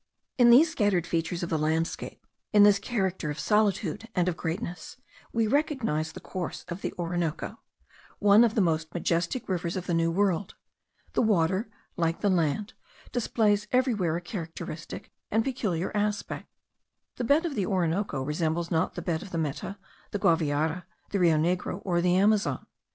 In these scattered features of the landscape, in this character of solitude and of greatness, we recognize the course of the Orinoco, one of the most majestic rivers of the New World. The water, like the land, displays everywhere a characteristic and peculiar aspect. The bed of the Orinoco resembles not the bed of the Meta, the Guaviare, the Rio Negro, or the Amazon.